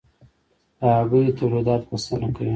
د هګیو تولیدات بسنه کوي؟